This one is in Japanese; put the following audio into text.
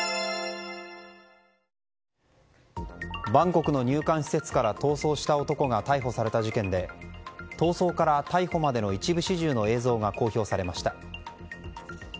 バンコクの入管施設から逃走した男が逮捕された事件で逃走から逮捕までの一部始終の映像が公表されました。